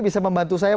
bisa membantu saya